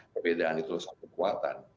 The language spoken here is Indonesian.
perbedaan itu satu kekuatan